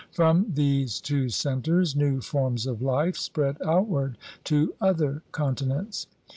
From these two centers new forms of life spread outward to other con tinents.